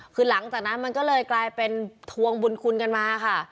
คือหลังจากนั้นมันก็เลยกลายเป็นทวงบุญคุณกันมาค่ะ